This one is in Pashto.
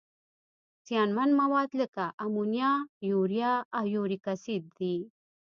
زیانمن مواد لکه امونیا، یوریا او یوریک اسید دي.